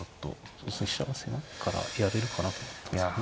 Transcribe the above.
そうですね飛車が狭いからやれるかなと思ったんですけどね。